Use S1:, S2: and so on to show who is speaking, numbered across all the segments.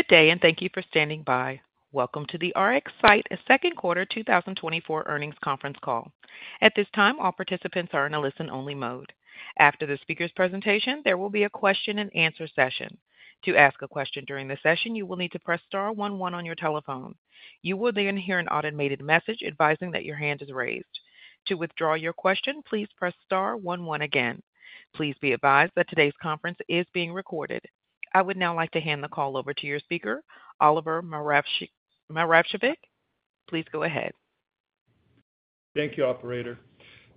S1: Good day, and thank you for standing by. Welcome to the RxSight Second Quarter 2024 Earnings Conference Call. At this time, all participants are in a listen-only mode. After the speaker's presentation, there will be a question-and-answer session. To ask a question during the session, you will need to press star one one on your telephone. You will then hear an automated message advising that your hand is raised. To withdraw your question, please press star one one again. Please be advised that today's conference is being recorded. I would now like to hand the call over to your speaker, Oliver Moravcevic. Please go ahead.
S2: Thank you, Operator.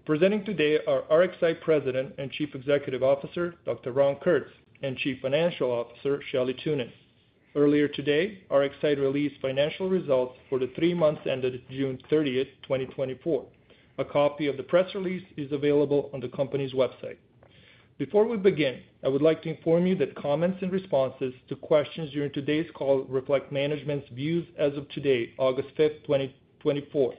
S2: Presenting today are RxSight President and Chief Executive Officer, Dr. Ron Kurtz, and Chief Financial Officer, Shelley Thunen. Earlier today, RxSight released financial results for the three months ended June 30th, 2024. A copy of the press release is available on the company's website. Before we begin, I would like to inform you that comments and responses to questions during today's call reflect management's views as of today, August 5th, 2024,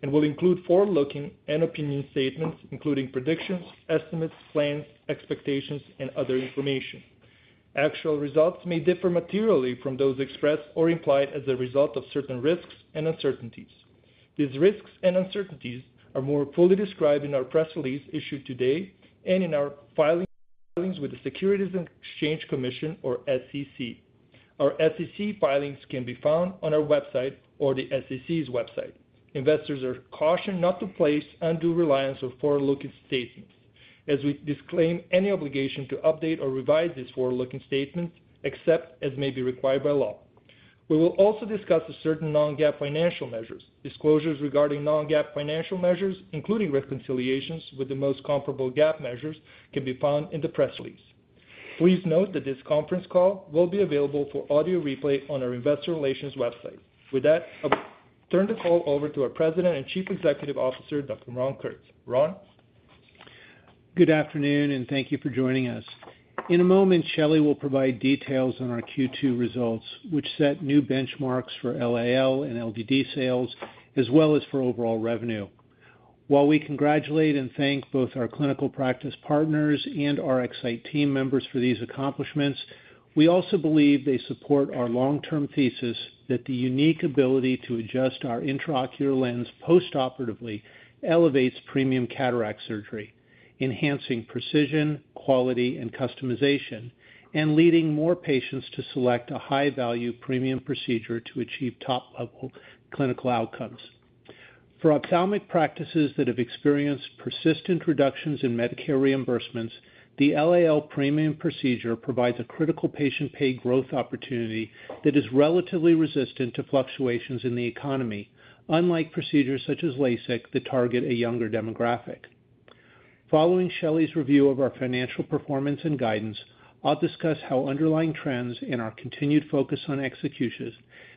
S2: and will include forward-looking and opinion statements, including predictions, estimates, plans, expectations, and other information. Actual results may differ materially from those expressed or implied as a result of certain risks and uncertainties. These risks and uncertainties are more fully described in our press release issued today and in our filings with the Securities and Exchange Commission, or SEC. Our SEC filings can be found on our website or the SEC's website. Investors are cautioned not to place undue reliance on forward-looking statements, as we disclaim any obligation to update or revise these forward-looking statements except as may be required by law. We will also discuss certain non-GAAP financial measures. Disclosures regarding non-GAAP financial measures, including reconciliations with the most comparable GAAP measures, can be found in the press release. Please note that this conference call will be available for audio replay on our investor relations website. With that, I will turn the call over to our President and Chief Executive Officer, Dr. Ron Kurtz. Ron?
S3: Good afternoon, and thank you for joining us. In a moment, Shelley will provide details on our Q2 results, which set new benchmarks for LAL and LDD sales, as well as for overall revenue. While we congratulate and thank both our clinical practice partners and RxSight team members for these accomplishments, we also believe they support our long-term thesis that the unique ability to adjust our intraocular lens postoperatively elevates premium cataract surgery, enhancing precision, quality, and customization, and leading more patients to select a high-value premium procedure to achieve top-level clinical outcomes. For ophthalmic practices that have experienced persistent reductions in Medicare reimbursements, the LAL premium procedure provides a critical patient pay growth opportunity that is relatively resistant to fluctuations in the economy, unlike procedures such as LASIK that target a younger demographic. Following Shelley's review of our financial performance and guidance, I'll discuss how underlying trends and our continued focus on executions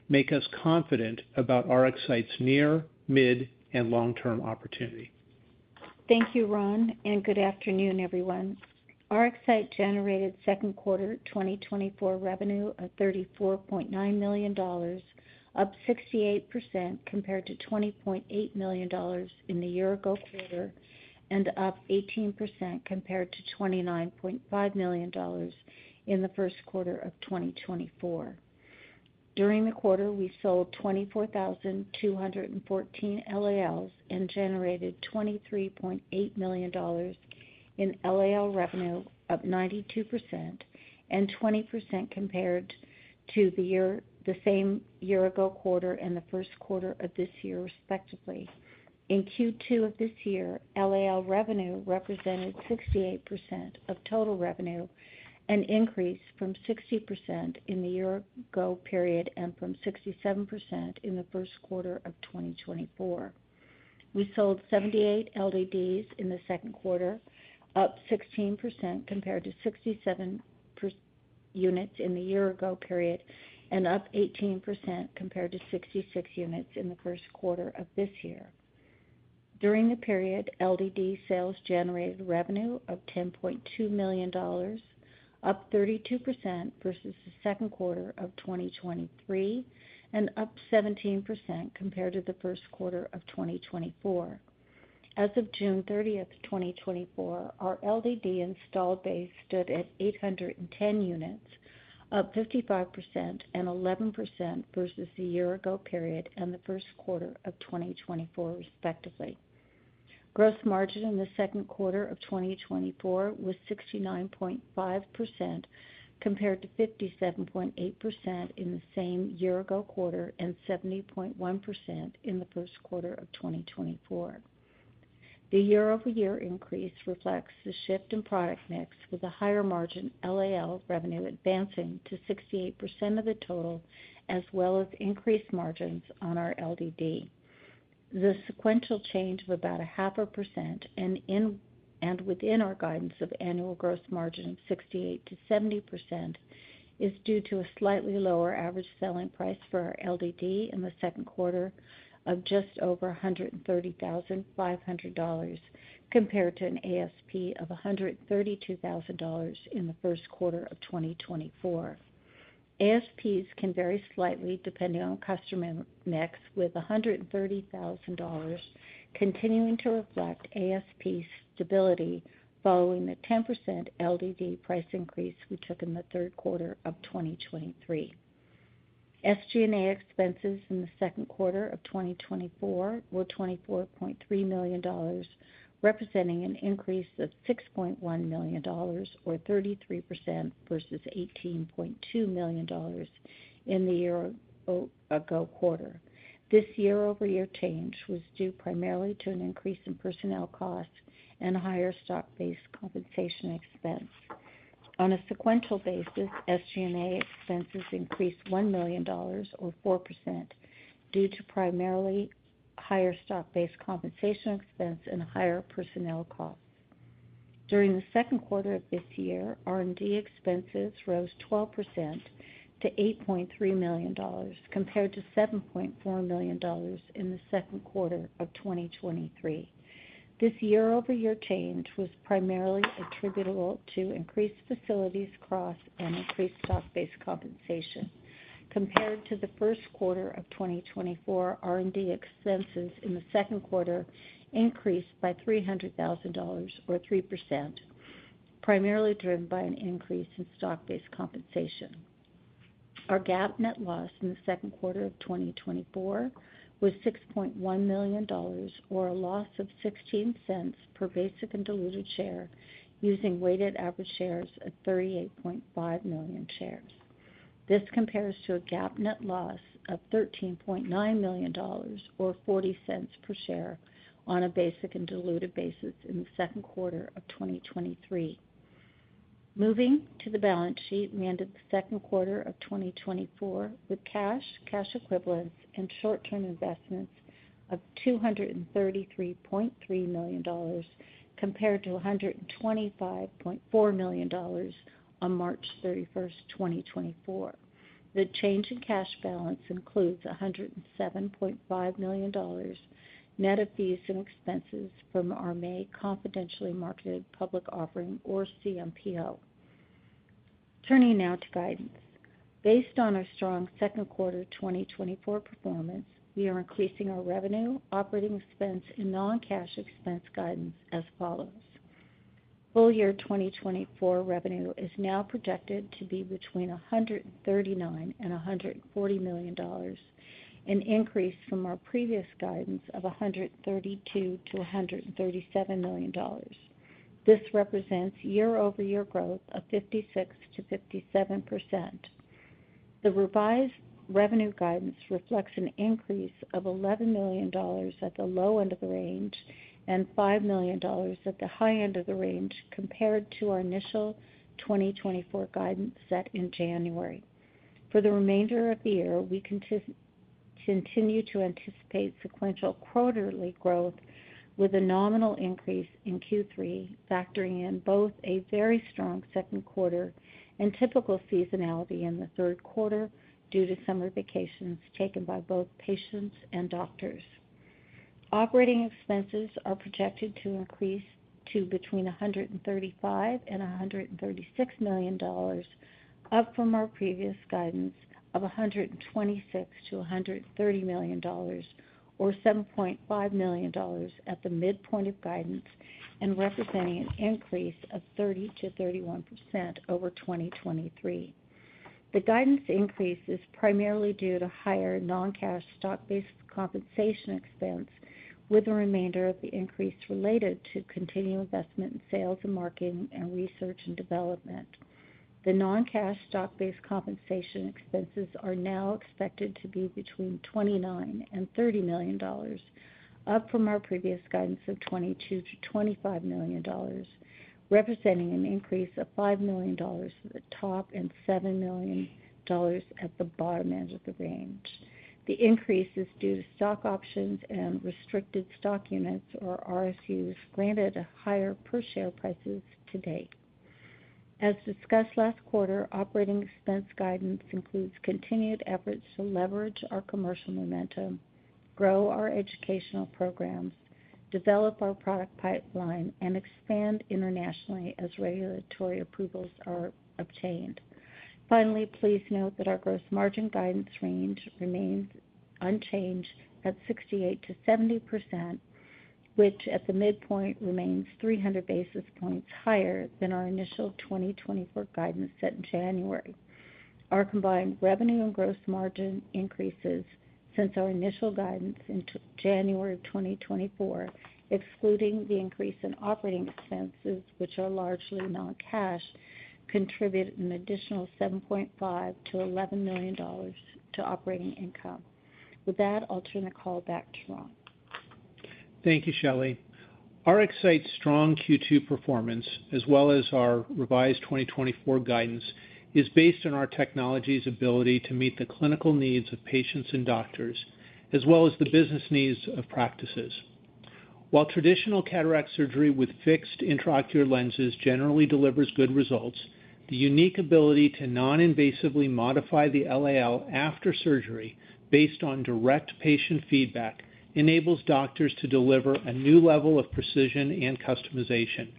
S3: make us confident about RxSight's near, mid, and long-term opportunity.
S4: Thank you, Ron, and good afternoon, everyone. RxSight generated second quarter 2024 revenue of $34.9 million, up 68% compared to $20.8 million in the year-ago quarter, and up 18% compared to $29.5 million in the first quarter of 2024. During the quarter, we sold 24,214 LALs and generated $23.8 million in LAL revenue, up 92% and 20% compared to the same year-ago quarter and the first quarter of this year, respectively. In Q2 of this year, LAL revenue represented 68% of total revenue, an increase from 60% in the year-ago period and from 67% in the first quarter of 2024. We sold 78 LDDs in the second quarter, up 16% compared to 67 units in the year-ago period, and up 18% compared to 66 units in the first quarter of this year. During the period, LDD sales generated revenue of $10.2 million, up 32% versus the second quarter of 2023, and up 17% compared to the first quarter of 2024. As of June 30th, 2024, our LDD installed base stood at 810 units, up 55% and 11% versus the year-ago period and the first quarter of 2024, respectively. Gross margin in the second quarter of 2024 was 69.5% compared to 57.8% in the same year-ago quarter and 70.1% in the first quarter of 2024. The year-over-year increase reflects the shift in product mix, with a higher margin LAL revenue advancing to 68% of the total, as well as increased margins on our LDD. The sequential change of about 0.5% and within our guidance of annual gross margin of 68%-70% is due to a slightly lower average selling price for our LDD in the second quarter of just over $130,500 compared to an ASP of $132,000 in the first quarter of 2024. ASPs can vary slightly depending on customer mix, with $130,000 continuing to reflect ASP stability following the 10% LDD price increase we took in the third quarter of 2023. SG&A expenses in the second quarter of 2024 were $24.3 million, representing an increase of $6.1 million, or 33% versus $18.2 million in the year-ago quarter. This year-over-year change was due primarily to an increase in personnel costs and a higher stock-based compensation expense. On a sequential basis, SG&A expenses increased $1 million, or 4%, due to primarily higher stock-based compensation expense and higher personnel costs. During the second quarter of this year, R&D expenses rose 12% to $8.3 million, compared to $7.4 million in the second quarter of 2023. This year-over-year change was primarily attributable to increased facilities costs and increased stock-based compensation. Compared to the first quarter of 2024, R&D expenses in the second quarter increased by $300,000, or 3%, primarily driven by an increase in stock-based compensation. Our GAAP net loss in the second quarter of 2024 was $6.1 million, or a loss of $0.16 per basic and diluted share, using weighted average shares of 38.5 million shares. This compares to a GAAP net loss of $13.9 million, or $0.40 per share, on a basic and diluted basis in the second quarter of 2023. Moving to the balance sheet, we ended the second quarter of 2024 with cash, cash equivalents, and short-term investments of $233.3 million, compared to $125.4 million on March 31st, 2024. The change in cash balance includes $107.5 million net of fees and expenses from our May Confidentially Marketed Public Offering, or CMPO. Turning now to guidance. Based on our strong second quarter 2024 performance, we are increasing our revenue, operating expense, and non-cash expense guidance as follows. Full year 2024 revenue is now projected to be between $139 million and $140 million, an increase from our previous guidance of $132 million-$137 million. This represents year-over-year growth of 56%-57%. The revised revenue guidance reflects an increase of $11 million at the low end of the range and $5 million at the high end of the range, compared to our initial 2024 guidance set in January. For the remainder of the year, we continue to anticipate sequential quarterly growth, with a nominal increase in Q3, factoring in both a very strong second quarter and typical seasonality in the third quarter due to summer vacations taken by both patients and doctors. Operating expenses are projected to increase to between $135 million-$136 million, up from our previous guidance of $126 million-$130 million, or $7.5 million at the midpoint of guidance, and representing an increase of 30%-31% over 2023. The guidance increase is primarily due to higher non-cash stock-based compensation expense, with the remainder of the increase related to continued investment in sales and marketing and research and development. The non-cash stock-based compensation expenses are now expected to be between $29 million-$30 million, up from our previous guidance of $22 million-$25 million, representing an increase of $5 million at the top and $7 million at the bottom end of the range. The increase is due to stock options and restricted stock units, or RSUs, granted at higher per-share prices to date. As discussed last quarter, operating expense guidance includes continued efforts to leverage our commercial momentum, grow our educational programs, develop our product pipeline, and expand internationally as regulatory approvals are obtained. Finally, please note that our gross margin guidance range remains unchanged at 68%-70%, which at the midpoint remains 300 basis points higher than our initial 2024 guidance set in January. Our combined revenue and gross margin increases since our initial guidance in January of 2024, excluding the increase in operating expenses, which are largely non-cash, contribute an additional $7.5 million-$11 million to operating income. With that, I'll turn the call back to Ron.
S3: Thank you, Shelley. RxSight's strong Q2 performance, as well as our revised 2024 guidance, is based on our technology's ability to meet the clinical needs of patients and doctors, as well as the business needs of practices. While traditional cataract surgery with fixed intraocular lenses generally delivers good results, the unique ability to non-invasively modify the LAL after surgery, based on direct patient feedback, enables doctors to deliver a new level of precision and customization,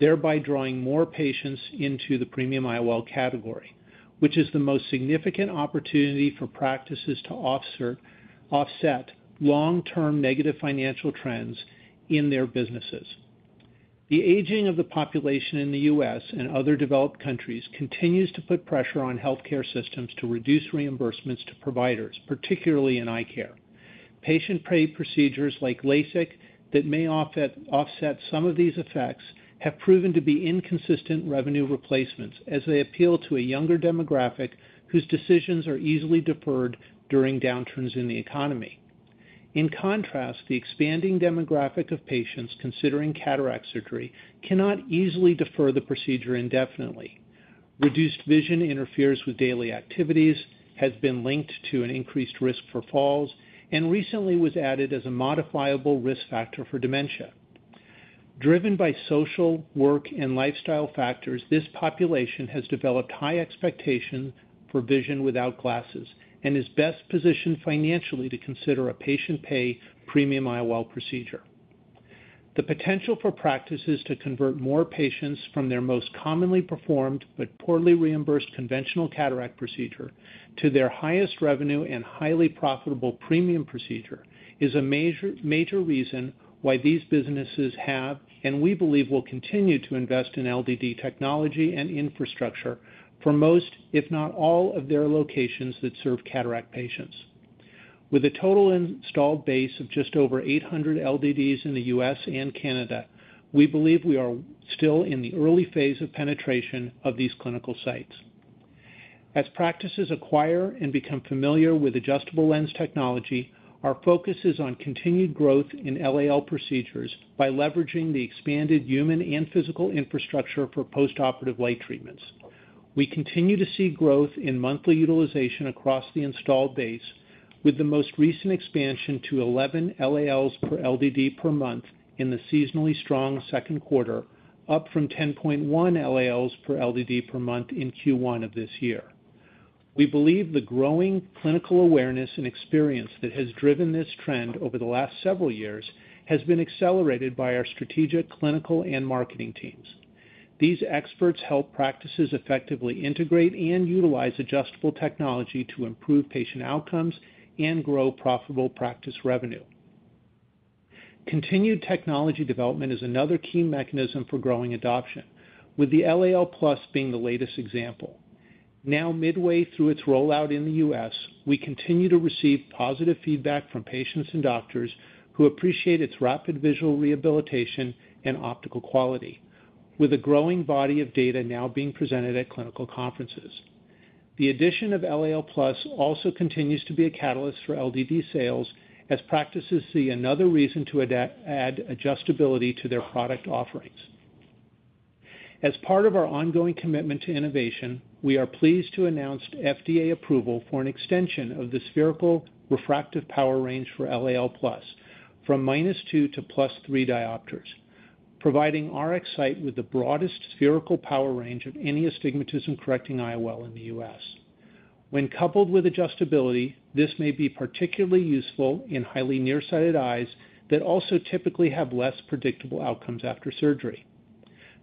S3: thereby drawing more patients into the premium IOL category, which is the most significant opportunity for practices to offset long-term negative financial trends in their businesses. The aging of the population in the U.S. and other developed countries continues to put pressure on healthcare systems to reduce reimbursements to providers, particularly in eye care. Patient-pay procedures like LASIK that may offset some of these effects have proven to be inconsistent revenue replacements, as they appeal to a younger demographic whose decisions are easily deferred during downturns in the economy. In contrast, the expanding demographic of patients considering cataract surgery cannot easily defer the procedure indefinitely. Reduced vision interferes with daily activities, has been linked to an increased risk for falls, and recently was added as a modifiable risk factor for dementia. Driven by social, work, and lifestyle factors, this population has developed high expectations for vision without glasses and is best positioned financially to consider a patient-pay premium IOL procedure. The potential for practices to convert more patients from their most commonly performed but poorly reimbursed conventional cataract procedure to their highest revenue and highly profitable premium procedure is a major reason why these businesses have, and we believe will continue to invest in LDD technology and infrastructure for most, if not all, of their locations that serve cataract patients. With a total installed base of just over 800 LDDs in the U.S. and Canada, we believe we are still in the early phase of penetration of these clinical sites. As practices acquire and become familiar with adjustable lens technology, our focus is on continued growth in LAL procedures by leveraging the expanded human and physical infrastructure for postoperative light treatments. We continue to see growth in monthly utilization across the installed base, with the most recent expansion to 11 LALs per LDD per month in the seasonally strong second quarter, up from 10.1 LALs per LDD per month in Q1 of this year. We believe the growing clinical awareness and experience that has driven this trend over the last several years has been accelerated by our strategic clinical and marketing teams. These experts help practices effectively integrate and utilize adjustable technology to improve patient outcomes and grow profitable practice revenue. Continued technology development is another key mechanism for growing adoption, with the LAL+ being the latest example. Now midway through its rollout in the U.S., we continue to receive positive feedback from patients and doctors who appreciate its rapid visual rehabilitation and optical quality, with a growing body of data now being presented at clinical conferences. The addition of LAL+ also continues to be a catalyst for LDD sales, as practices see another reason to add adjustability to their product offerings. As part of our ongoing commitment to innovation, we are pleased to announce FDA approval for an extension of the spherical refractive power range for LAL+ from -2 to +3 diopters, providing RxSight with the broadest spherical power range of any astigmatism-correcting IOL in the U.S. When coupled with adjustability, this may be particularly useful in highly nearsighted eyes that also typically have less predictable outcomes after surgery.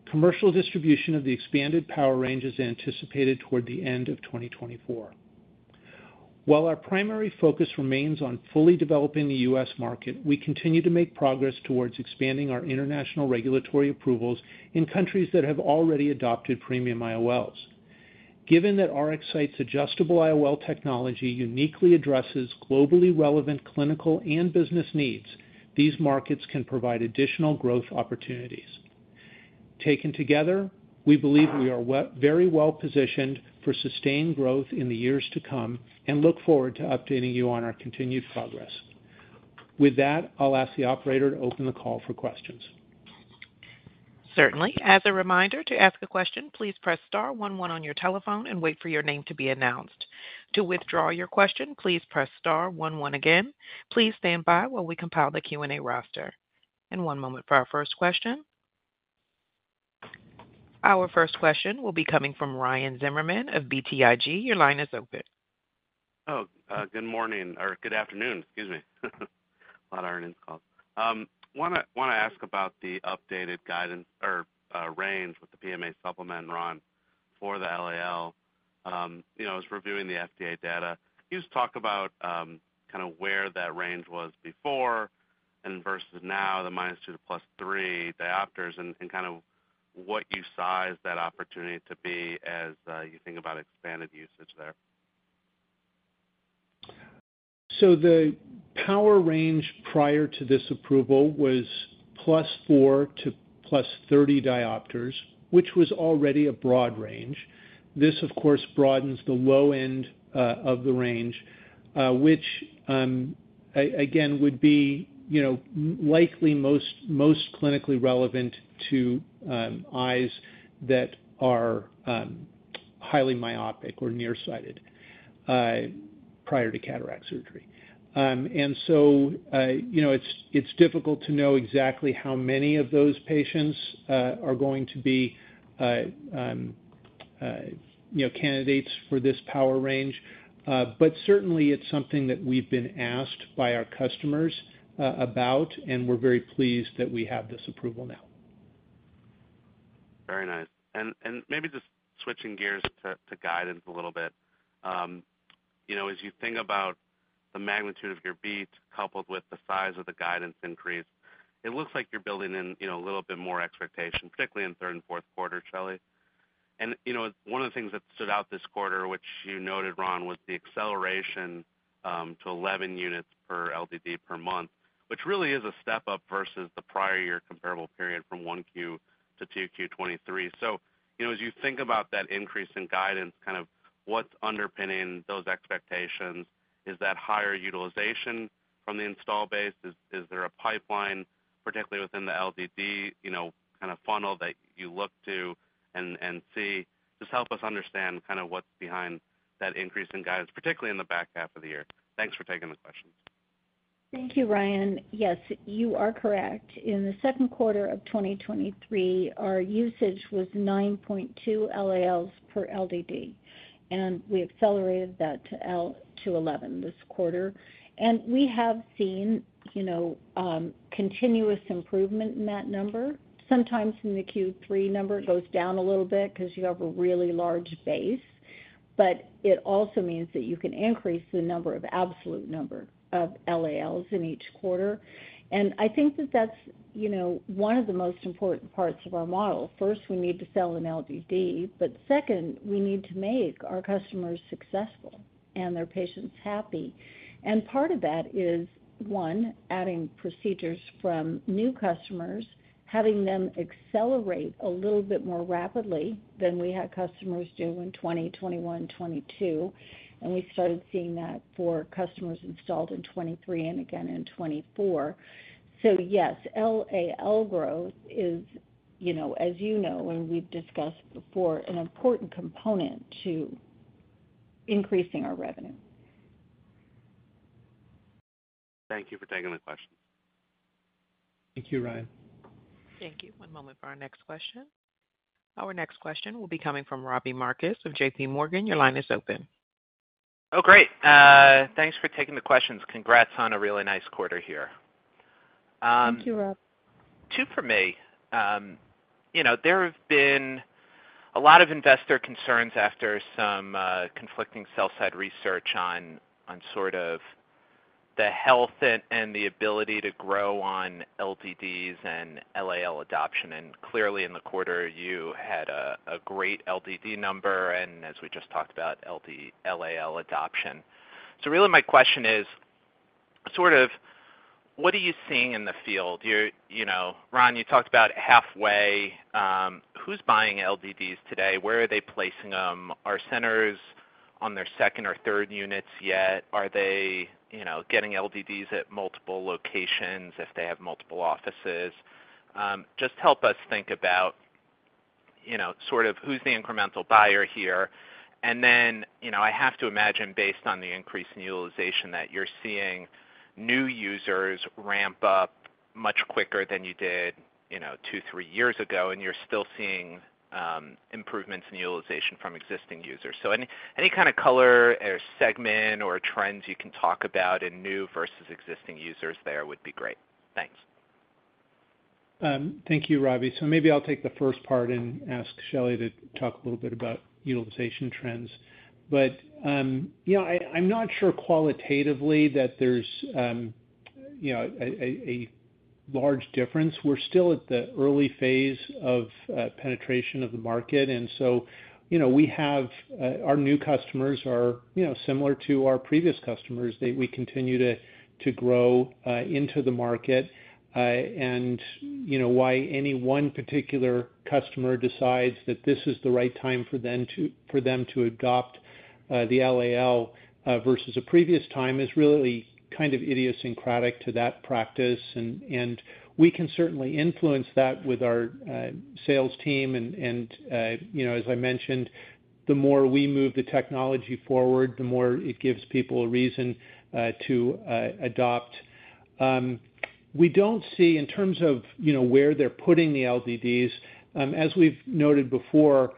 S3: Commercial distribution of the expanded power range is anticipated toward the end of 2024. While our primary focus remains on fully developing the U.S. market, we continue to make progress towards expanding our international regulatory approvals in countries that have already adopted premium IOLs. Given that RxSight's adjustable IOL technology uniquely addresses globally relevant clinical and business needs, these markets can provide additional growth opportunities. Taken together, we believe we are very well positioned for sustained growth in the years to come and look forward to updating you on our continued progress. With that, I'll ask the operator to open the call for questions.
S1: Certainly. As a reminder, to ask a question, please press star one one on your telephone and wait for your name to be announced. To withdraw your question, please press star one one again. Please stand by while we compile the Q&A roster. One moment for our first question. Our first question will be coming from Ryan Zimmerman of BTIG. Your line is open.
S5: Oh, good morning or good afternoon. Excuse me. A lot of earnings calls. I want to ask about the updated guidance or range with the PMA supplement, Ron, for the LAL. You know, I was reviewing the FDA data. You just talked about kind of where that range was before and versus now, the -2 to +3 diopters, and kind of what you size that opportunity to be as you think about expanded usage there.
S3: The power range prior to this approval was +4 to +30 diopters, which was already a broad range. This, of course, broadens the low end of the range, which, again, would be, you know, likely most clinically relevant to eyes that are highly myopic or nearsighted prior to cataract surgery. And so, you know, it's difficult to know exactly how many of those patients are going to be, you know, candidates for this power range. Certainly, it's something that we've been asked by our customers about, and we're very pleased that we have this approval now.
S5: Very nice. And maybe just switching gears to guidance a little bit. You know, as you think about the magnitude of your beats coupled with the size of the guidance increase, it looks like you're building in, you know, a little bit more expectation, particularly in third and fourth quarter, Shelley. And, you know, one of the things that stood out this quarter, which you noted, Ron, was the acceleration to 11 units per LDD per month, which really is a step up versus the prior year comparable period from 1Q-2Q 2023. So, you know, as you think about that increase in guidance, kind of what's underpinning those expectations is that higher utilization from the install base. Is there a pipeline, particularly within the LDD, you know, kind of funnel that you look to and see? Just help us understand kind of what's behind that increase in guidance, particularly in the back half of the year. Thanks for taking the questions.
S4: Thank you, Ryan. Yes, you are correct. In the second quarter of 2023, our usage was 9.2 LALs per LDD, and we accelerated that to 11 this quarter. And we have seen, you know, continuous improvement in that number. Sometimes in the Q3 number, it goes down a little bit because you have a really large base. But it also means that you can increase the number of absolute number of LALs in each quarter. And I think that that's, you know, one of the most important parts of our model. First, we need to sell an LDD, but second, we need to make our customers successful and their patients happy. And part of that is, one, adding procedures from new customers, having them accelerate a little bit more rapidly than we had customers do in 2021-2022. We started seeing that for customers installed in 2023 and again in 2024. So yes, LAL growth is, you know, as you know, and we've discussed before, an important component to increasing our revenue.
S5: Thank you for taking the questions.
S3: Thank you, Ryan.
S1: Thank you. One moment for our next question. Our next question will be coming from Robbie Marcus of JPMorgan. Your line is open.
S6: Oh, great. Thanks for taking the questions. Congrats on a really nice quarter here.
S4: Thank you, Rob.
S6: Two for me. You know, there have been a lot of investor concerns after some conflicting sell-side research on sort of the health and the ability to grow on LDDs and LAL adoption. Clearly, in the quarter, you had a great LDD number and, as we just talked about, LAL adoption. Really, my question is sort of what are you seeing in the field? You know, Ron, you talked about halfway. Who's buying LDDs today? Where are they placing them? Are centers on their second or third units yet? Are they, you know, getting LDDs at multiple locations if they have multiple offices? Just help us think about, you know, sort of who's the incremental buyer here. You know, I have to imagine, based on the increase in utilization that you're seeing, new users ramp up much quicker than you did, you know, 2-3 years ago, and you're still seeing improvements in utilization from existing users. Any kind of color or segment or trends you can talk about in new versus existing users there would be great. Thanks.
S3: Thank you, Robbie. So maybe I'll take the first part and ask Shelley to talk a little bit about utilization trends. But, you know, I'm not sure qualitatively that there's, you know, a large difference. We're still at the early phase of penetration of the market. And so, you know, we have our new customers are, you know, similar to our previous customers. We continue to grow into the market. And, you know, why any one particular customer decides that this is the right time for them to adopt the LAL versus a previous time is really kind of idiosyncratic to that practice. And we can certainly influence that with our sales team. And, you know, as I mentioned, the more we move the technology forward, the more it gives people a reason to adopt. We don't see, in terms of, you know, where they're putting the LDDs, as we've noted before,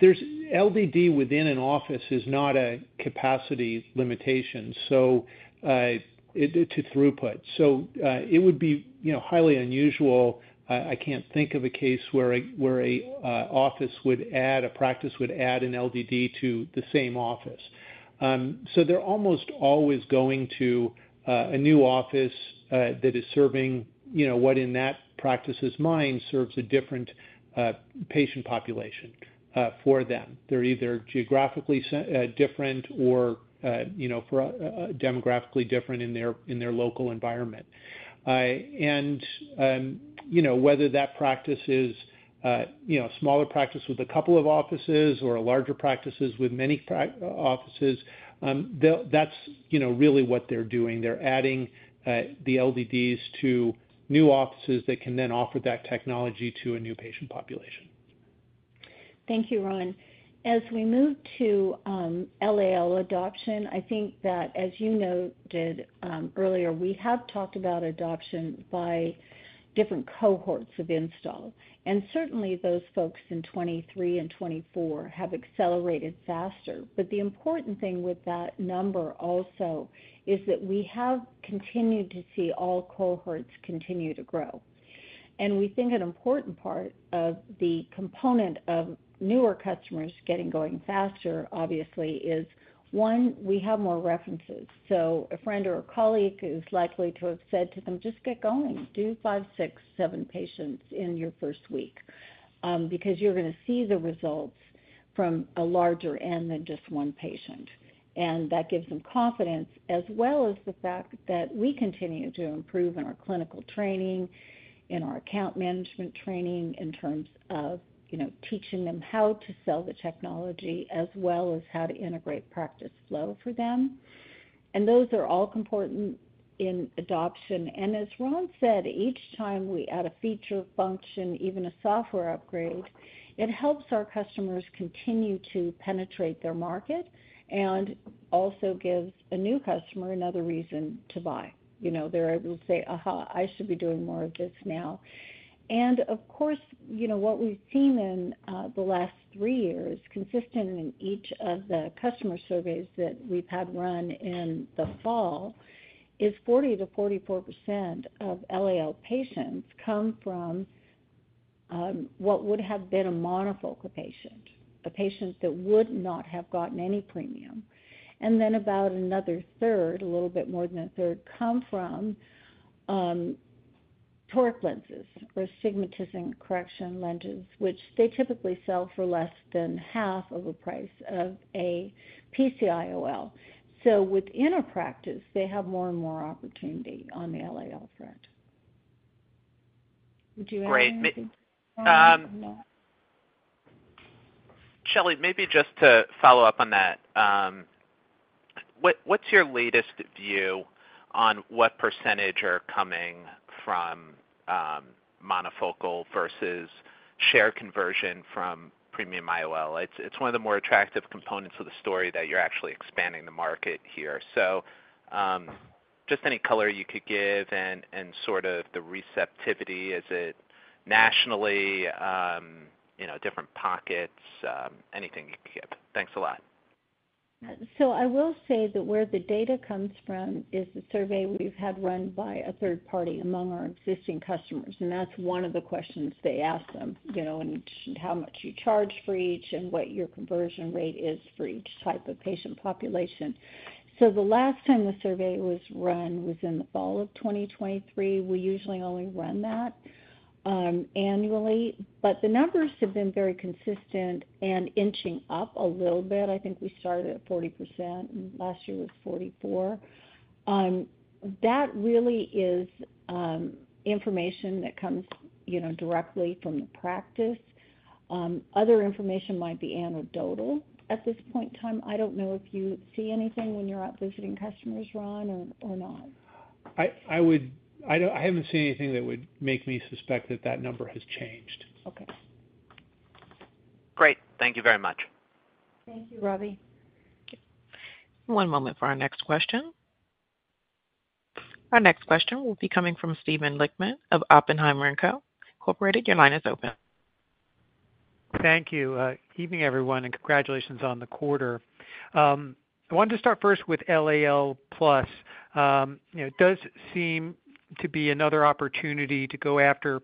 S3: there's LDD within an office is not a capacity limitation, so to throughput. So it would be, you know, highly unusual. I can't think of a case where an office would add, a practice would add an LDD to the same office. So they're almost always going to a new office that is serving, you know, what in that practice's mind serves a different patient population for them. They're either geographically different or, you know, demographically different in their local environment. And, you know, whether that practice is, you know, a smaller practice with a couple of offices or larger practices with many offices, that's, you know, really what they're doing. They're adding the LDDs to new offices that can then offer that technology to a new patient population.
S4: Thank you, Ron. As we move to LAL adoption, I think that, as you noted earlier, we have talked about adoption by different cohorts of install. Certainly, those folks in 2023 and 2024 have accelerated faster. But the important thing with that number also is that we have continued to see all cohorts continue to grow. And we think an important part of the component of newer customers getting going faster, obviously, is, one, we have more references. So a friend or a colleague is likely to have said to them, "Just get going. Do 5, 6, 7 patients in your first week," because you're going to see the results from a larger n than just one patient. That gives them confidence, as well as the fact that we continue to improve in our clinical training, in our account management training in terms of, you know, teaching them how to sell the technology, as well as how to integrate practice flow for them. Those are all important in adoption. As Ron said, each time we add a feature, function, even a software upgrade, it helps our customers continue to penetrate their market and also gives a new customer another reason to buy. You know, they're able to say, "Aha, I should be doing more of this now." And of course, you know, what we've seen in the last three years, consistent in each of the customer surveys that we've had run in the fall, is 40%-44% of LAL patients come from what would have been a monofocal patient, a patient that would not have gotten any premium. And then about another third, a little bit more than 1/3, come from toric lenses or astigmatism correction lenses, which they typically sell for less than half of the price of a PCIOL. So within a practice, they have more and more opportunity on the LAL, front. Would you add anything, Ron?
S6: Shelley, maybe just to follow up on that, what's your latest view on what percentage are coming from monofocal versus share conversion from premium IOL? It's one of the more attractive components of the story that you're actually expanding the market here. So just any color you could give and sort of the receptivity, is it nationally, you know, different pockets, anything you could give? Thanks a lot.
S4: So I will say that where the data comes from is the survey we've had run by a third party among our existing customers. And that's one of the questions they ask them, you know, and how much you charge for each and what your conversion rate is for each type of patient population. So the last time the survey was run was in the fall of 2023. We usually only run that annually. But the numbers have been very consistent and inching up a little bit. I think we started at 40%. Last year was 44%. That really is information that comes, you know, directly from the practice. Other information might be anecdotal at this point in time. I don't know if you see anything when you're out visiting customers, Ron, or not.
S3: I would, I haven't seen anything that would make me suspect that that number has changed.
S4: Okay.
S6: Great. Thank you very much.
S4: Thank you, Robbie.
S1: One moment for our next question. Our next question will be coming from Steven Lichtman of Oppenheimer & Co. Inc. Your line is open.
S7: Thank you. Evening, everyone, and congratulations on the quarter. I wanted to start first with LAL+. You know, it does seem to be another opportunity to go after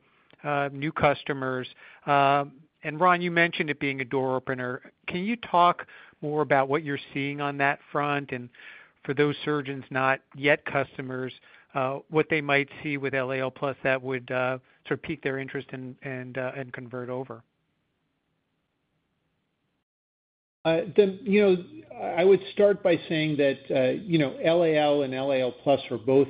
S7: new customers. And Ron, you mentioned it being a door opener. Can you talk more about what you're seeing on that front? And for those surgeons, not yet customers, what they might see with LAL+ that would sort of pique their interest and convert over?
S3: You know, I would start by saying that, you know, LAL and LAL+ are both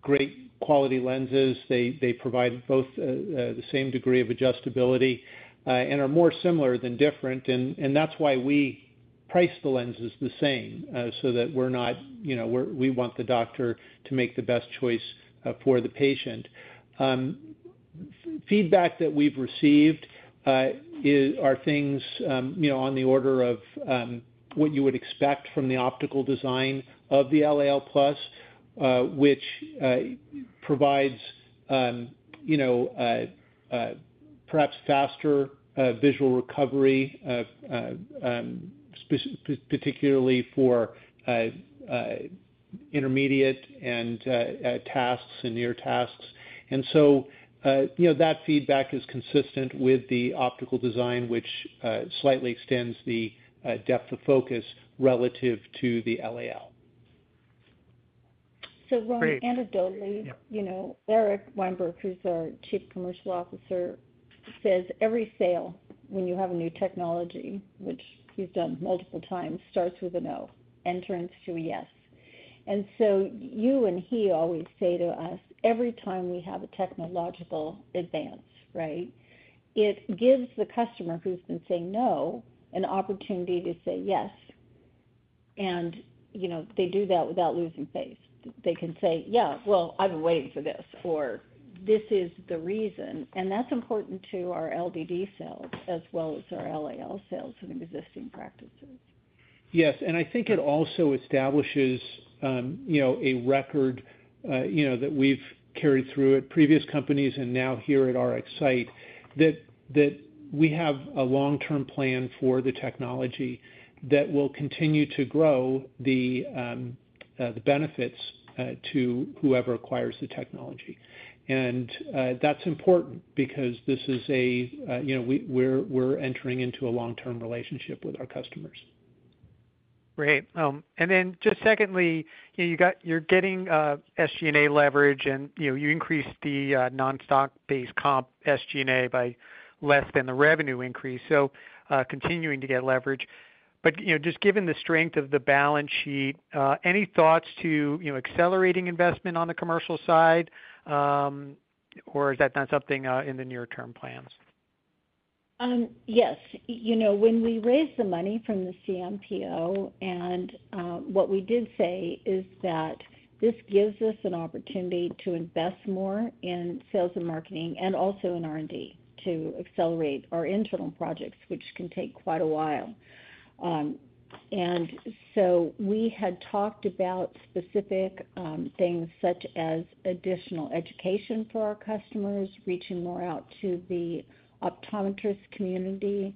S3: great quality lenses. They provide both the same degree of adjustability and are more similar than different. That's why we price the lenses the same, so that we're not, you know, we want the doctor to make the best choice for the patient. Feedback that we've received are things, you know, on the order of what you would expect from the optical design of the LAL+, which provides, you know, perhaps faster visual recovery, particularly for intermediate and tasks and near tasks. So, you know, that feedback is consistent with the optical design, which slightly extends the depth of focus relative to the LAL.
S4: So Ron, anecdotally, you know, Eric Weinberg, who's our Chief Commercial Officer, says every sale, when you have a new technology, which he's done multiple times, starts with a no, and then to a yes. And so you and he always say to us, every time we have a technological advance, right, it gives the customer who's been saying no an opportunity to say yes. And, you know, they do that without losing face. They can say, "Yeah, well, I've been waiting for this," or, "This is the reason." And that's important to our LDD sales as well as our LAL sales and existing practices.
S3: Yes. And I think it also establishes, you know, a record, you know, that we've carried through at previous companies and now here at RxSight, that we have a long-term plan for the technology that will continue to grow the benefits to whoever acquires the technology. And that's important because this is a, you know, we're entering into a long-term relationship with our customers.
S7: Great. And then just secondly, you know, you're getting SG&A leverage and, you know, you increased the non-stock-based comp SG&A by less than the revenue increase. So continuing to get leverage. But, you know, just given the strength of the balance sheet, any thoughts to, you know, accelerating investment on the commercial side, or is that not something in the near-term plans?
S4: Yes. You know, when we raised the money from the CMPO, and what we did say is that this gives us an opportunity to invest more in sales and marketing and also in R&D to accelerate our internal projects, which can take quite a while. And so we had talked about specific things such as additional education for our customers, reaching more out to the optometrist community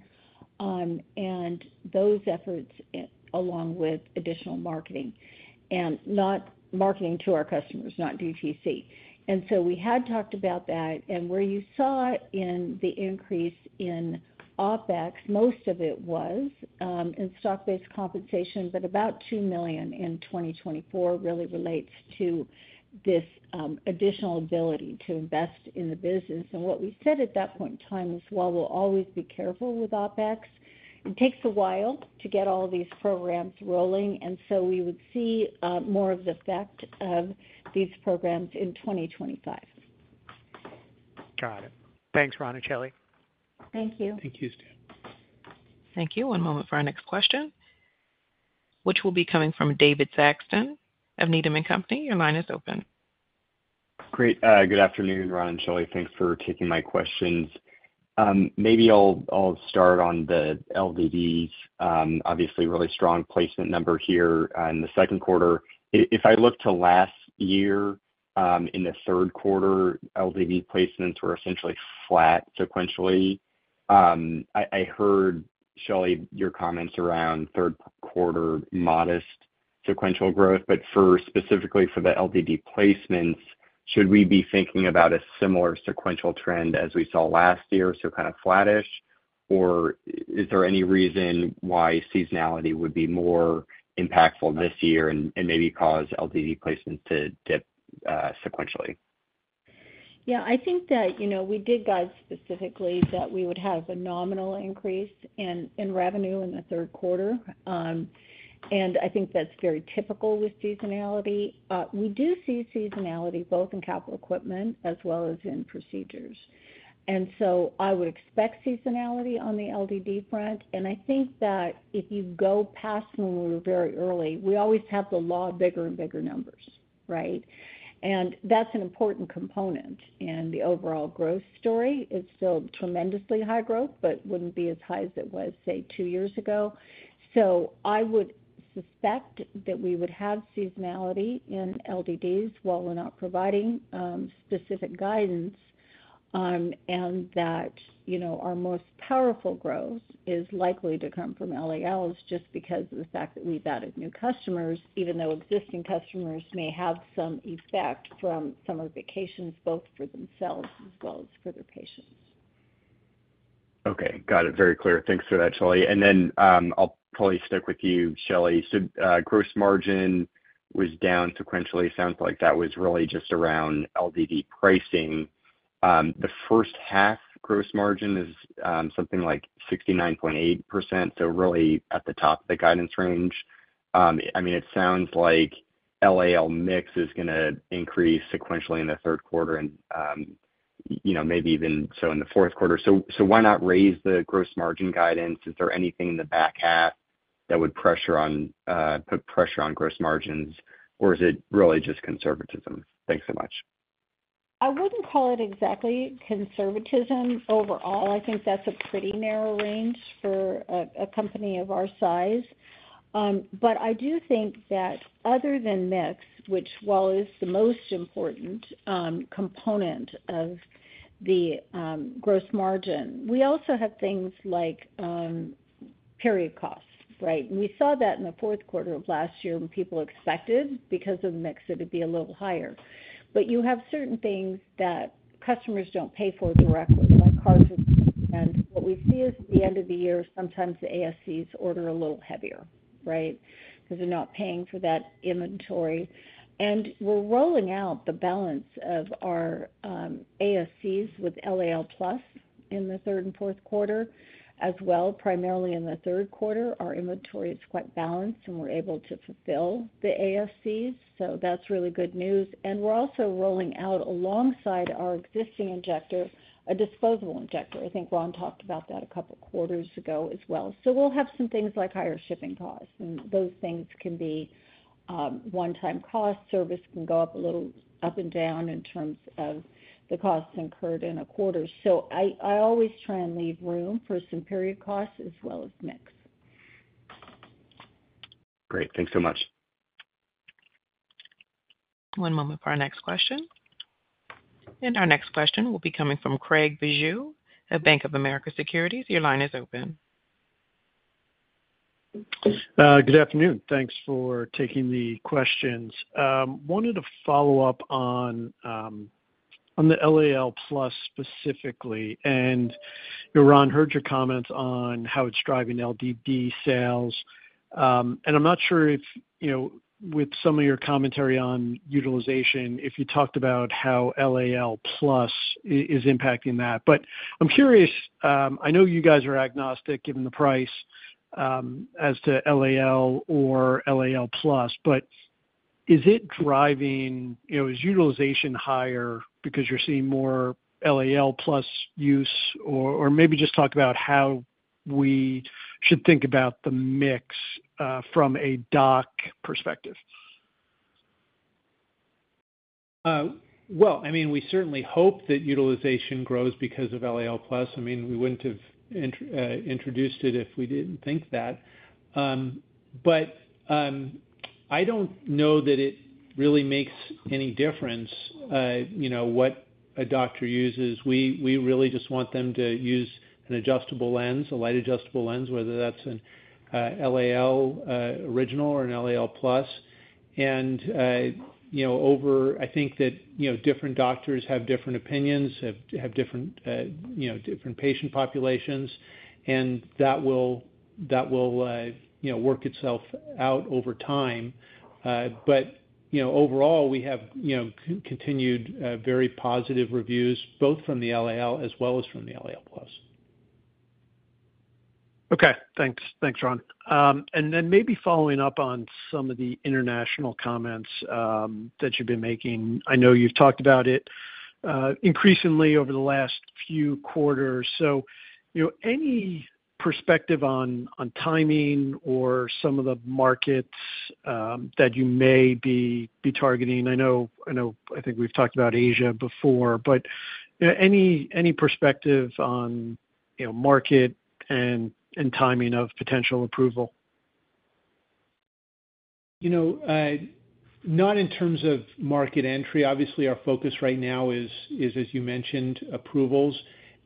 S4: and those efforts along with additional marketing and not marketing to our customers, not DTC. And so we had talked about that. And where you saw in the increase in OpEx, most of it was in stock-based compensation, but about $2 million in 2024 really relates to this additional ability to invest in the business. And what we said at that point in time is, while we'll always be careful with OpEx, it takes a while to get all these programs rolling. We would see more of the effect of these programs in 2025.
S7: Got it. Thanks, Ron and Shelley.
S4: Thank you.
S3: Thank you, Steven.
S1: Thank you. One moment for our next question, which will be coming from David Saxon of Needham & Company. Your line is open.
S8: Great. Good afternoon, Ron and Shelley. Thanks for taking my questions. Maybe I'll start on the LDDs. Obviously, really strong placement number here in the second quarter. If I look to last year, in the third quarter, LDD placements were essentially flat sequentially. I heard, Shelley, your comments around third quarter modest sequential growth. But specifically for the LDD placements, should we be thinking about a similar sequential trend as we saw last year, so kind of flattish? Or is there any reason why seasonality would be more impactful this year and maybe cause LDD placements to dip sequentially?
S4: Yeah. I think that, you know, we did guide specifically that we would have a nominal increase in revenue in the third quarter. And I think that's very typical with seasonality. We do see seasonality both in capital equipment as well as in procedures. And so I would expect seasonality on the LDD front. And I think that if you go past when we were very early, we always have to log bigger and bigger numbers, right? And that's an important component in the overall growth story. It's still tremendously high growth, but wouldn't be as high as it was, say, two years ago. So I would suspect that we would have seasonality in LDDs while we're not providing specific guidance and that, you know, our most powerful growth is likely to come from LALs just because of the fact that we've added new customers, even though existing customers may have some effect from summer vacations both for themselves as well as for their patients.
S8: Okay. Got it. Very clear. Thanks for that, Shelley. And then I'll probably stick with you, Shelley. So gross margin was down sequentially. It sounds like that was really just around LDD pricing. The first half gross margin is something like 69.8%, so really at the top of the guidance range. I mean, it sounds like LAL mix is going to increase sequentially in the third quarter and, you know, maybe even so in the fourth quarter. So why not raise the gross margin guidance? Is there anything in the back half that would put pressure on gross margins, or is it really just conservatism? Thanks so much.
S4: I wouldn't call it exactly conservatism overall. I think that's a pretty narrow range for a company of our size. But I do think that other than mix, which, while it is the most important component of the gross margin, we also have things like period costs, right? We saw that in the fourth quarter of last year when people expected because of mix it would be a little higher. But you have certain things that customers don't pay for directly, like cartridge and what we see is at the end of the year, sometimes the ASCs order a little heavier, right, because they're not paying for that inventory. And we're rolling out the balance of our ASCs with LAL+ in the third and fourth quarter as well. Primarily in the third quarter, our inventory is quite balanced and we're able to fulfill the ASCs. That's really good news. We're also rolling out alongside our existing injector, a disposable injector. I think Ron talked about that a couple of quarters ago as well. We'll have some things like higher shipping costs. Those things can be one-time costs. Service can go up a little up and down in terms of the costs incurred in a quarter. I always try and leave room for some period costs as well as mix.
S8: Great. Thanks so much.
S1: One moment for our next question. Our next question will be coming from Craig Bijou of Bank of America Securities. Your line is open.
S9: Good afternoon. Thanks for taking the questions. Wanted to follow up on the LAL+ specifically. And you know, Ron, heard your comments on how it's driving LDD sales. And I'm not sure if, you know, with some of your commentary on utilization, if you talked about how LAL+ is impacting that. But I'm curious. I know you guys are agnostic given the price as to LAL or LAL+, but is it driving, you know, is utilization higher because you're seeing more LAL+ use or maybe just talk about how we should think about the mix from a doc perspective?
S3: Well, I mean, we certainly hope that utilization grows because of LAL+. I mean, we wouldn't have introduced it if we didn't think that. But I don't know that it really makes any difference, you know, what a doctor uses. We really just want them to use an adjustable lens, a light adjustable lens, whether that's an LAL original or an LAL+. And, you know, over, I think that, you know, different doctors have different opinions, have different, you know, different patient populations, and that will, you know, work itself out over time. But, you know, overall, we have, you know, continued very positive reviews both from the LAL as well as from the LAL+.
S9: Okay. Thanks. Thanks, Ron. And then maybe following up on some of the international comments that you've been making, I know you've talked about it increasingly over the last few quarters. So, you know, any perspective on timing or some of the markets that you may be targeting? I know, I think we've talked about Asia before, but any perspective on, you know, market and timing of potential approval?
S3: You know, not in terms of market entry. Obviously, our focus right now is, as you mentioned, approvals.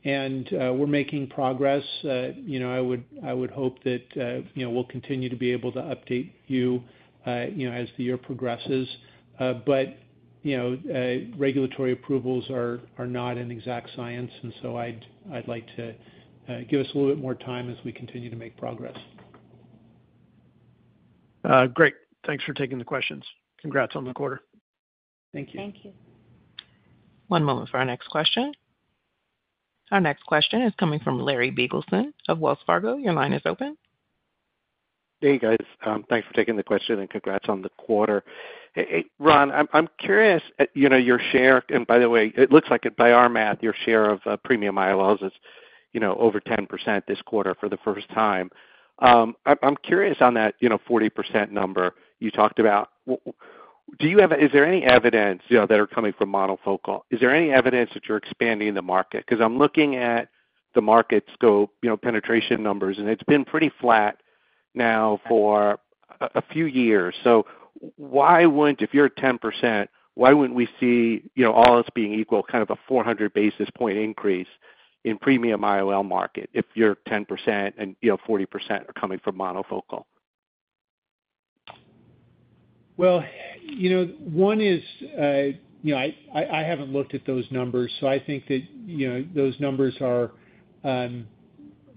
S3: We're making progress. You know, I would hope that, you know, we'll continue to be able to update you, you know, as the year progresses. You know, regulatory approvals are not an exact science. So I'd like to give us a little bit more time as we continue to make progress.
S9: Great. Thanks for taking the questions. Congrats on the quarter.
S3: Thank you.
S4: Thank you.
S1: One moment for our next question. Our next question is coming from Larry Biegelsen of Wells Fargo. Your line is open.
S10: Hey, guys. Thanks for taking the question and congrats on the quarter. Ron, I'm curious, you know, your share, and by the way, it looks like by our math, your share of premium IOLs is, you know, over 10% this quarter for the first time. I'm curious on that, you know, 40% number you talked about. Do you have, is there any evidence, you know, that are coming from monofocal? Is there any evidence that you're expanding the market? Because I'm looking at the Market Scope, you know, penetration numbers, and it's been pretty flat now for a few years. So why wouldn't, if you're at 10%, why wouldn't we see, you know, all else being equal, kind of a 400 basis point increase in premium IOL market if you're 10% and, you know, 40% are coming from monofocal?
S3: Well, you know, one is, you know, I haven't looked at those numbers. So I think that, you know, those numbers are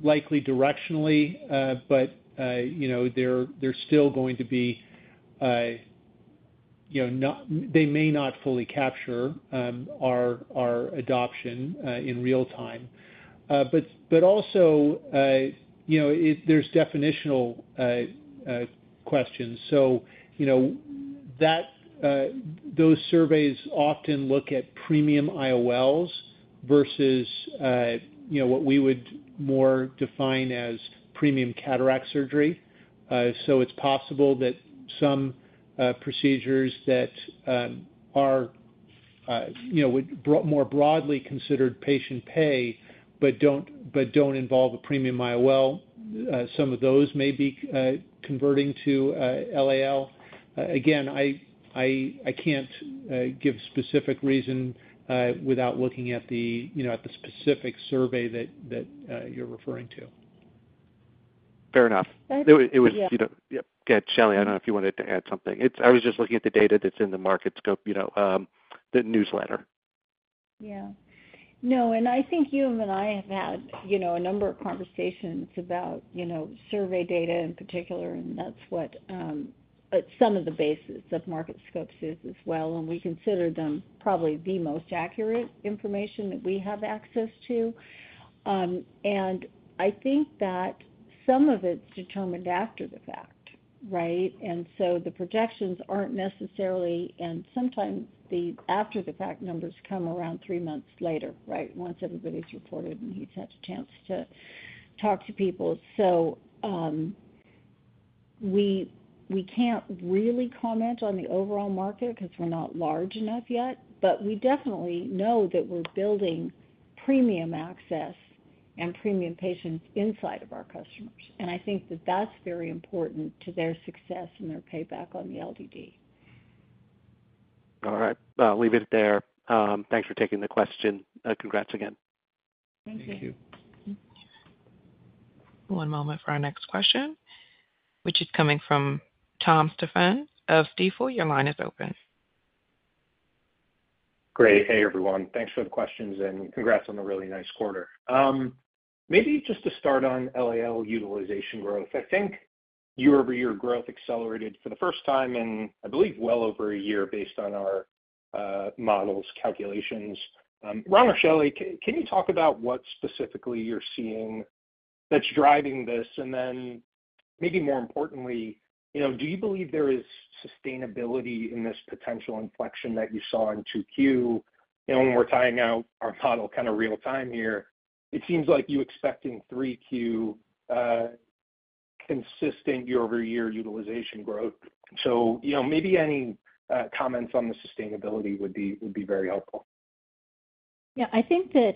S3: likely directionally, but, you know, they're still going to be, you know, they may not fully capture our adoption in real time. But also, you know, there's definitional questions. So, you know, those surveys often look at premium IOLs versus, you know, what we would more define as premium cataract surgery. So it's possible that some procedures that are, you know, more broadly considered patient pay but don't involve a premium IOL, some of those may be converting to LAL. Again, I can't give specific reason without looking at the, you know, at the specific survey that you're referring to.
S10: Fair enough. It was, you know, yeah. Yeah. Shelley, I don't know if you wanted to add something. I was just looking at the data that's in the Market Scope, you know, the newsletter.
S4: Yeah. No. And I think you and I have had, you know, a number of conversations about, you know, survey data in particular, and that's what some of the basis of Market Scope is as well. And we consider them probably the most accurate information that we have access to. And I think that some of it's determined after the fact, right? And so the projections aren't necessarily, and sometimes the after-the-fact numbers come around three months later, right, once everybody's reported and he's had a chance to talk to people. So we can't really comment on the overall market because we're not large enough yet, but we definitely know that we're building premium access and premium patients inside of our customers. And I think that that's very important to their success and their payback on the LDD.
S10: All right. I'll leave it there. Thanks for taking the question. Congrats again.
S4: Thank you.
S3: Thank you.
S1: One moment for our next question, which is coming from Tom Stephan of Stifel. Your line is open.
S11: Great. Hey, everyone. Thanks for the questions and congrats on the really nice quarter. Maybe just to start on LAL utilization growth, I think year-over-year growth accelerated for the first time in, I believe, well over a year based on our model's calculations. Ron or Shelley, can you talk about what specifically you're seeing that's driving this? And then maybe more importantly, you know, do you believe there is sustainability in this potential inflection that you saw in 2Q? You know, when we're tying out our model kind of real-time here, it seems like you expect in 3Q consistent year-over-year utilization growth. So, you know, maybe any comments on the sustainability would be very helpful.
S4: Yeah. I think that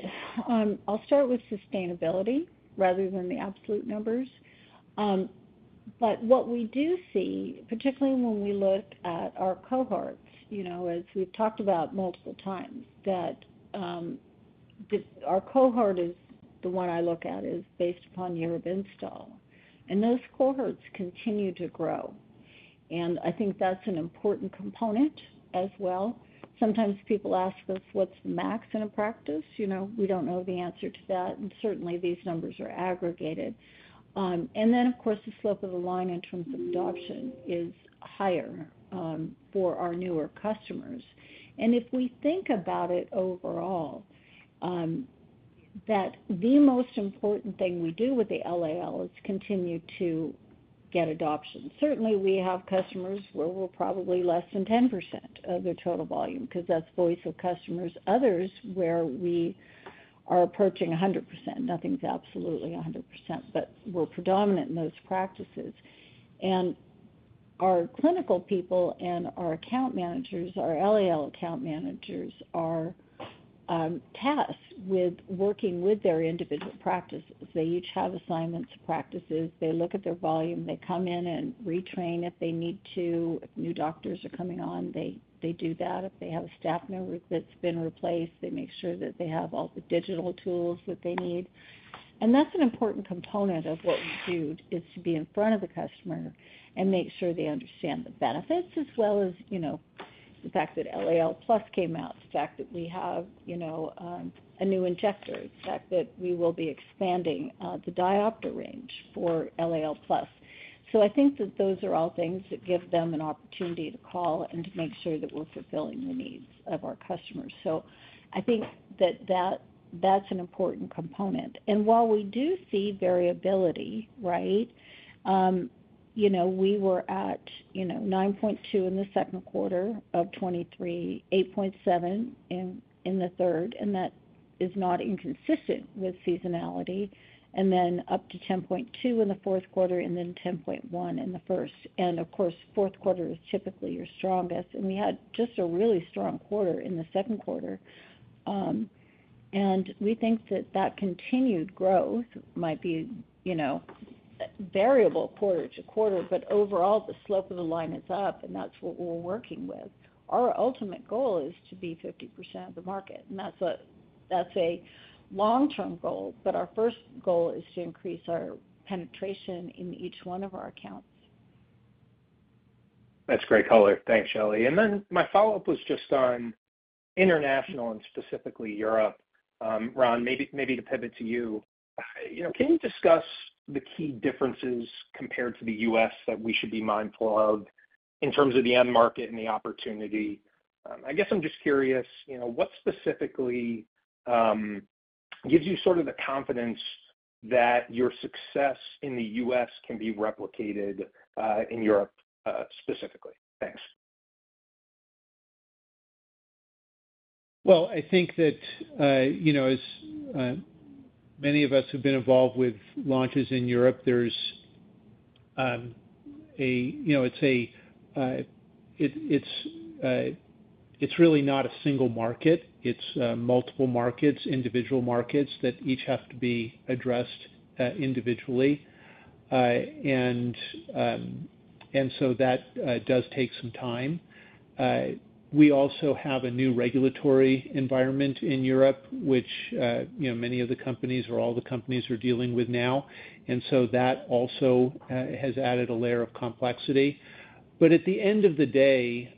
S4: I'll start with sustainability rather than the absolute numbers. But what we do see, particularly when we look at our cohorts, you know, as we've talked about multiple times, that our cohort is the one I look at is based upon year of install. And those cohorts continue to grow. And I think that's an important component as well. Sometimes people ask us, what's the max in a practice? You know, we don't know the answer to that. And certainly these numbers are aggregated. And then, of course, the slope of the line in terms of adoption is higher for our newer customers. And if we think about it overall, that the most important thing we do with the LAL is continue to get adoption. Certainly, we have customers where we're probably less than 10% of their total volume because that's voice of customers. Others where we are approaching 100%. Nothing's absolutely 100%, but we're predominant in those practices. And our clinical people and our account managers, our LAL account managers, are tasked with working with their individual practices. They each have assignments of practices. They look at their volume. They come in and retrain if they need to. If new doctors are coming on, they do that. If they have a staff member that's been replaced, they make sure that they have all the digital tools that they need. And that's an important component of what we do is to be in front of the customer and make sure they understand the benefits as well as, you know, the fact that LAL+ came out, the fact that we have, you know, a new injector, the fact that we will be expanding the diopter range for LAL+. So I think that those are all things that give them an opportunity to call and to make sure that we're fulfilling the needs of our customers. So I think that that's an important component. And while we do see variability, right, you know, we were at, you know, 9.2 in the second quarter of 2023, 8.7 in the third, and that is not inconsistent with seasonality. And then up to 10.2 in the fourth quarter and then 10.1 in the first. And of course, fourth quarter is typically your strongest. And we had just a really strong quarter in the second quarter. And we think that that continued growth might be, you know, variable quarter to quarter, but overall the slope of the line is up and that's what we're working with. Our ultimate goal is to be 50% of the market. That's a long-term goal, but our first goal is to increase our penetration in each one of our accounts.
S11: That's great color. Thanks, Shelley. And then my follow-up was just on international and specifically Europe. Ron, maybe to pivot to you, you know, can you discuss the key differences compared to the U.S. that we should be mindful of in terms of the end market and the opportunity? I guess I'm just curious, you know, what specifically gives you sort of the confidence that your success in the U.S. can be replicated in Europe specifically? Thanks.
S3: Well, I think that, you know, as many of us who've been involved with launches in Europe, there's a, you know, it's a, it's really not a single market. It's multiple markets, individual markets that each have to be addressed individually. And so that does take some time. We also have a new regulatory environment in Europe, which, you know, many of the companies or all the companies are dealing with now. And so that also has added a layer of complexity. But at the end of the day,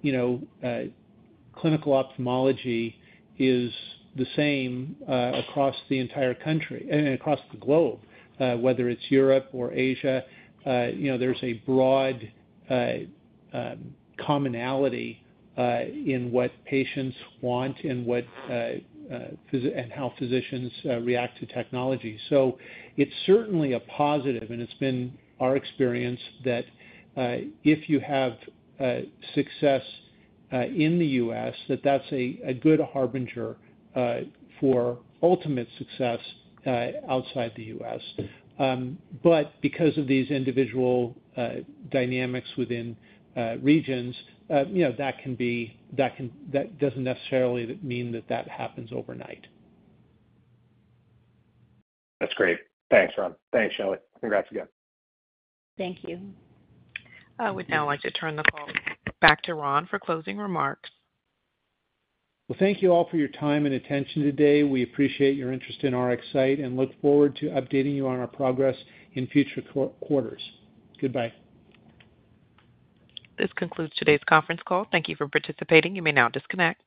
S3: you know, clinical ophthalmology is the same across the entire country and across the globe, whether it's Europe or Asia. You know, there's a broad commonality in what patients want and how physicians react to technology. So it's certainly a positive, and it's been our experience that if you have success in the U.S., that that's a good harbinger for ultimate success outside the U.S. But because of these individual dynamics within regions, you know, that can be, that doesn't necessarily mean that that happens overnight.
S11: That's great. Thanks, Ron. Thanks, Shelley. Congrats again.
S4: Thank you.
S1: We'd now like to turn the call back to Ron for closing remarks.
S3: Well, thank you all for your time and attention today. We appreciate your interest in our RxSight and look forward to updating you on our progress in future quarters. Goodbye.
S1: This concludes today's conference call. Thank you for participating. You may now disconnect.